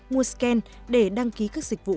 mua scan để đăng ký các dịch vụ